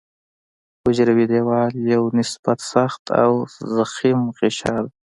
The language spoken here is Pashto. حجروي دیوال یو نسبت سخت او ضخیم غشا ده.